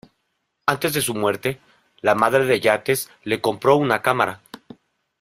Antes de su muerte, la madre de Yates le compró una cámara.